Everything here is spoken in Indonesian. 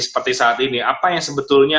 seperti saat ini apa yang sebetulnya